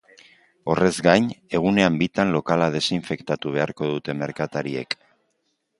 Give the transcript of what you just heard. Horrez gain, egunean bitan lokala desinfektatu beharko dute merkatariek.